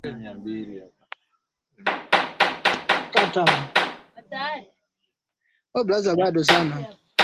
walikuwa kama vyombo vya viongozi wa chama dhidi ya matarajio ya watu